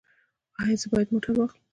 ایا زه باید موټر واخلم؟